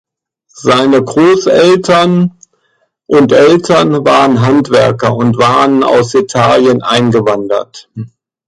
Seine Großeltern und Eltern waren Handwerker und waren aus Italien eingewandert.